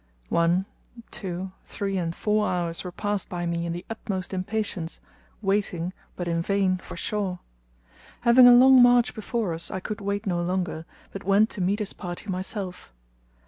One, two, three, and four hours were passed by me in the utmost impatience, waiting, but in vain, for Shaw. Having a long march before us, I could wait no longer, but went to meet his party myself.